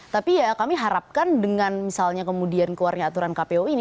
tapi ya kami harapkan dengan misalnya kemudian keluarnya aturan kpu ini